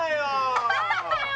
何だよ！